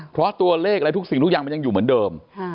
เพราะตัวเลขอะไรทุกสิ่งทุกอย่างมันยังอยู่เหมือนเดิม